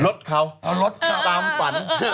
รถเขาตามฝัน